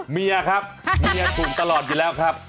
เมียครับเมียถูกตลอดอยู่แล้วครับ